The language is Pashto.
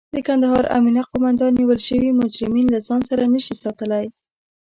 د کندهار امنيه قوماندان نيول شوي مجرمين له ځان سره نشي ساتلای.